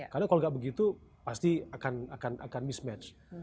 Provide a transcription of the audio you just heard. karena kalau gak begitu pasti akan mismatch